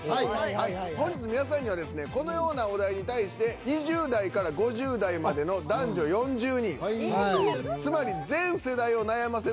本日皆さんにはですねこのようなお題に対して２０代５０代までの男女４０人つまり全世代を悩ませる